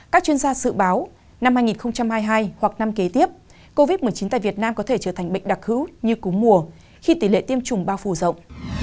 các chuyên gia dự báo năm hai nghìn hai mươi hai hoặc năm kế tiếp covid một mươi chín tại việt nam có thể trở thành bệnh đặc hữu như cúng mùa khi tỷ lệ tiêm chủng bao phủ rộng